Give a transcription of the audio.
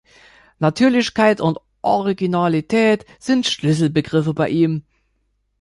Natürlichkeit und Originalität sind Schlüsselbegriffe bei ihm.